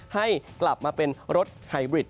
ให้กลับมาเป็นรถไฮบริด